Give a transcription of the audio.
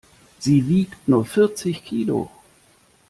Sie wiegt nur vierzig Kilo.